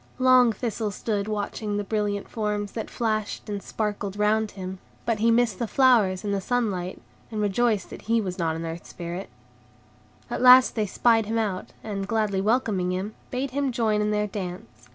Long Thistle stood watching the brilliant forms that flashed and sparkled round him; but he missed the flowers and the sunlight, and rejoiced that he was not an Earth Spirit. At last they spied him out, and, gladly welcoming him, bade him join in their dance.